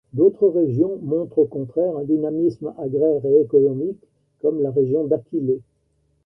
D'autres régions montrent au contraire un dynamisme agraire et économique, comme la région d'Aquilée.